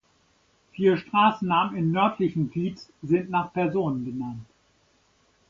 Vier Straßennamen im nördlichen Kiez sind nach Personen benannt.